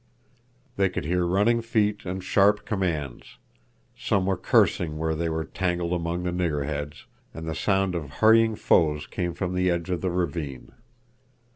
They could hear running feet and sharp commands; some were cursing where they were entangled among the nigger heads, and the sound of hurrying foes came from the edge of the ravine.